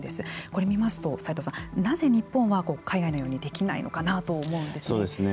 これを見ますと、齋藤さんなぜ日本は海外のようにできないのかなと思うんです。